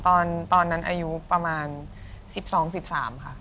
ตอนนั้นอายุประมาณ๑๒๑๓ค่ะ